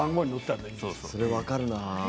それ分かるな。